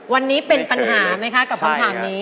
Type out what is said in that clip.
วันนี้เป็นปัญหาไหมคะกับคำถามนี้